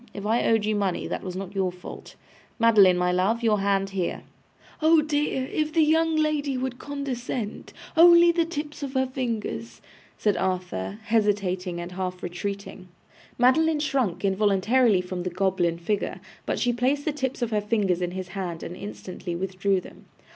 If I owed you money, that was not your fault. Madeline, my love, your hand here.' 'Oh dear! If the young lady would condescent! Only the tips of her fingers,' said Arthur, hesitating and half retreating. Madeline shrunk involuntarily from the goblin figure, but she placed the tips of her fingers in his hand and instantly withdrew them.